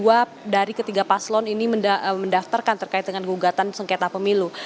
dimana artinya ini kedua dari ketiga paslon ini mendaftarkan terkait dengan gugatan sengketa pemilu